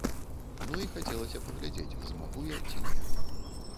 Ну і хацелася паглядзець, змагу я ці не.